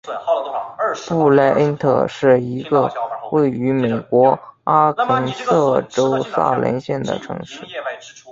布赖恩特是一个位于美国阿肯色州萨林县的城市。